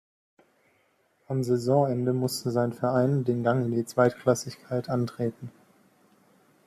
Am Saisonende musste sein Verein den Gang in die Zweitklassigkeit antreten.